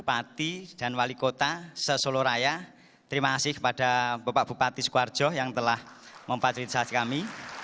yang saya hormati bapak bupati dan wali kota seseluruh raya terima kasih kepada bapak bupati sekuarjo yang telah mempatrihkan saat kami